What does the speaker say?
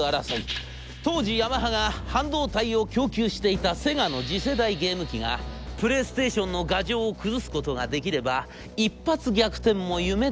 当時ヤマハが半導体を供給していたセガの次世代ゲーム機がプレイステーションの牙城を崩すことができれば一発逆転も夢ではない！